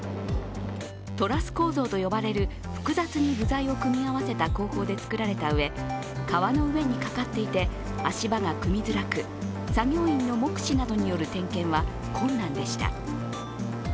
トラス構造と呼ばれる複雑に部材を組み合わせた工法で作られたうえ川の上にかかっていて、足場が組みづらく、作業員の目視などによる点検は困難でした。